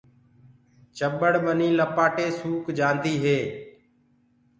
چٻڙ ٻني لپآٽي سوُڪ جآندي هي۔